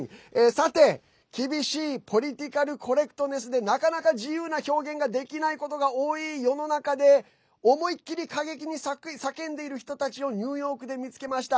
さて、厳しいポリティカルコレクトネスでなかなか自由な表現ができないことが多い世の中で思いっきり過激に叫んでいる人たちをニューヨークで見つけました。